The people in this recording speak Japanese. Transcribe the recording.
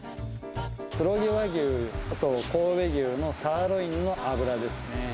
黒毛和牛と神戸牛のサーロインの脂ですね。